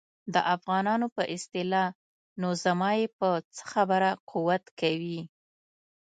د افغانانو په اصطلاح نو زما یې په څه خبره قوت کوي.